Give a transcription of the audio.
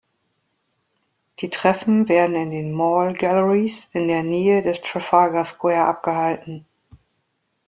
Die Treffen werden in den "Mall Galleries" in der Nähe des Trafalgar Square abgehalten.